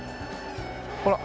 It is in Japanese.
ほら。